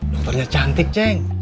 dokternya cantik ceng